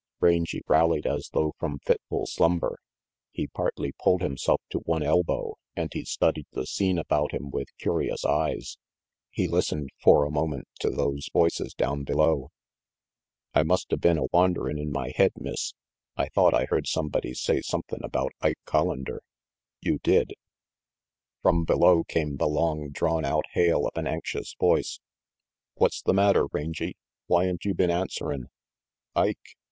Rangy rallied as though from fitful slumber. He partly pulled himself to one elbow, and he studied the scene about him with curious eyes. He listened for a moment to those voices down below. "I musta been a wanderin' in my head, Miss. I thought I heard somebody say somethin' about Ike Collander " "You did." 384 RANGY PETE From below came the long, drawn out hail of an anxious voice. "What's the matter, Rangy? Whyn't you been answerin'?" "Ike!"